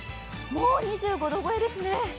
もう２５度超えですね。